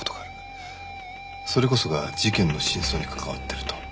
それこそが事件の真相に関わってると？